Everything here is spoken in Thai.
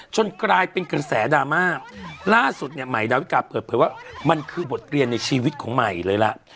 กลายเป็นกระแสดราม่าล่าสุดเนี่ยใหม่ดาวิกาเปิดเผยว่ามันคือบทเรียนในชีวิตของใหม่เลยล่ะ